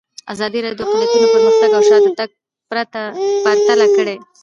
ازادي راډیو د اقلیتونه پرمختګ او شاتګ پرتله کړی.